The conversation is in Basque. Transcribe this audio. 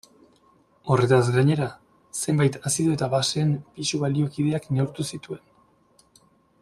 Horretaz gainera, zenbait azido eta baseen pisu baliokideak neurtu zituen.